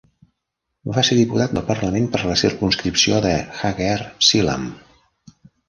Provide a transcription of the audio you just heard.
Va ser diputat del Parlament per a la circumscripció de Hagere-Selam.